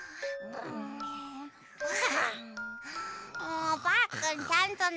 もうパックンちゃんとねて。